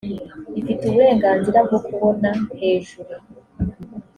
ifite uburenganzira bwo kubona hejuru